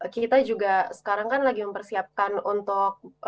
kita juga sekarang kan lagi mempersiapkan untuk